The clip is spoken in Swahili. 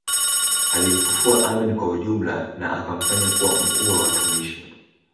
Alimfufua Amin kwa ujumla na akamfanya kuwa mkuu wa watumishi